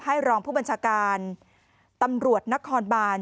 รองผู้บัญชาการตำรวจนครบาน